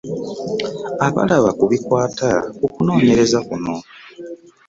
Abalaba ku bikwata ku kunoonyereza kuno.